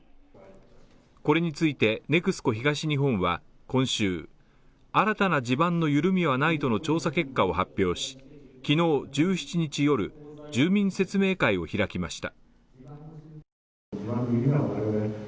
これについて、ＮＥＸＣＯ東日本は、今週新たな地盤の緩みはないとの調査結果を発表し、きのう１７日夜、住民説明会を開きました。